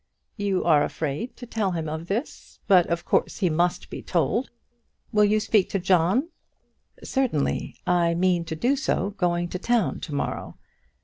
"You are afraid to tell him of this; but of course he must be told. Will you speak to John?" "Certainly; I meant to do so going to town to morrow."